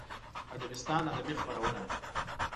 ادبستان ادبي خپرونه